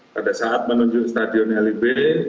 pada saat menuju stadion lib